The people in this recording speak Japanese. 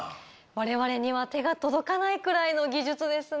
我々には手が届かないくらいの技術ですね。